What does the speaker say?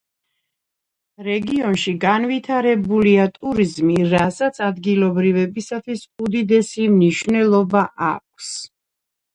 რეგიონში განვითარებულია ტურიზმი, რასაც ადგილობრივებისთვის უდიდესი მნიშვნელობა აქვს.